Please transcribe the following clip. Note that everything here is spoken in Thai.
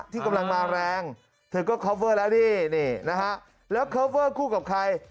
ที่กำลังมาแรงเธอก็คอฟเวอร์แล้วนี่นะฮะแล้วคอฟเวอร์คู่กับใคร